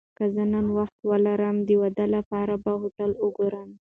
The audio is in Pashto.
که زه نن وخت ولرم، د واده لپاره به هوټل وګورم.